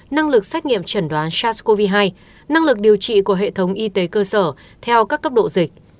năng lực xét nghiệm chẩn đoán sars cov hai năng lực điều trị của hệ thống y tế cơ sở theo các cấp độ dịch